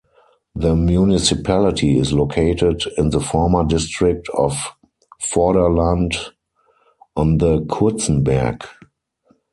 The municipality is located in the former District of Vorderland on the Kurzenberg.